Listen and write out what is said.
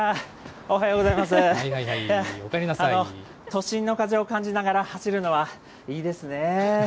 都心の風を感じながら走るのはいいですね。